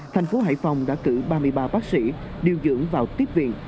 thành phố hải phòng đã cử ba mươi ba bác sĩ điều dưỡng vào tiếp viện